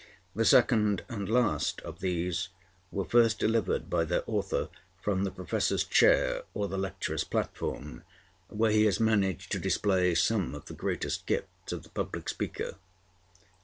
The second and last of these were first delivered by their author from the professor's chair or the lecturer's platform, where he has managed to display some of the greatest gifts of the public speaker.